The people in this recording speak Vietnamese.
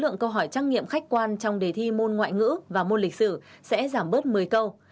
số lượng câu hỏi trang nghiệm khách quan trong đề thi môn ngoại ngữ và môn lịch sử sẽ giảm bớt một mươi câu